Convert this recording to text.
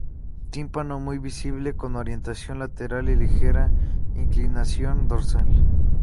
Tímpano muy visible, con orientación lateral y ligera inclinación dorsal.